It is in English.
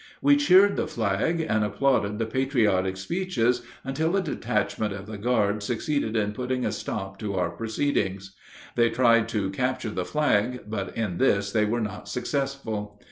We cheered the flag and applauded the patriotic speeches until a detachment of the guard succeeded in putting a stop to our proceedings. They tried to capture the flag, but in this they were not successful.